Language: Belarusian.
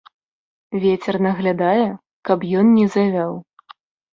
Вецер наглядае, каб ён не завяў.